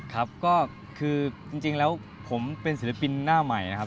ครับก็คือจริงแล้วผมเป็นศิลปินหน้าใหม่นะครับ